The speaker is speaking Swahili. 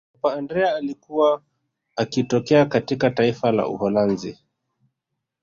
papa andrea alikuwa akitokea katika taifa la uholanzi